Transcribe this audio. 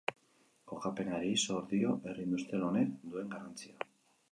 Kokapenari zor dio herri industrial honek duen garrantzia.